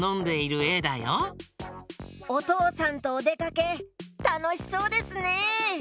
おとうさんとおでかけたのしそうですね！